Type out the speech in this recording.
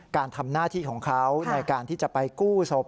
การทำหน้าที่ของเขาในการที่จะไปกู้ศพ